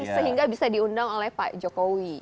sehingga bisa diundang oleh pak jokowi